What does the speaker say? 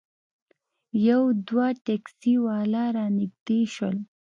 یو دوه ټیکسي والا رانږدې شول.